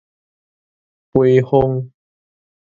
邶風